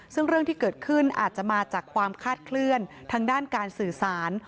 ซึ่งเรื่องที่เกิดขึ้นอาจจะมาจากความคาดเคลื่อนทางด้านการสื่อสาร